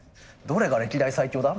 「どれが歴代最強だ？」